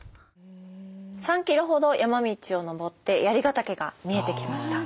３キロほど山道を登って槍ヶ岳が見えてきました。